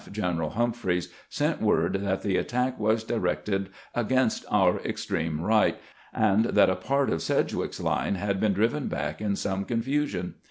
General Humphreys, sent word that the attack was directed against our ex treme right, and that a part of Sedgwick's line had been driven back in some confusion.